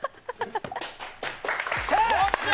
よっしゃ！！